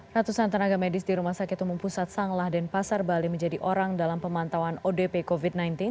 ratusan tenaga medis di rumah sakit umum pusat sanglah denpasar bali menjadi orang dalam pemantauan odp covid sembilan belas